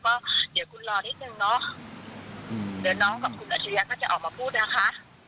เดี๋ยวน้องกับคุณอัจฉริยะก็จะออกมาพูดนะค่ะ